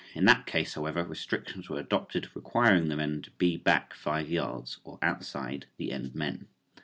In that case, however, restrictions were adopted requiring the men to be back five yards or outside the end men.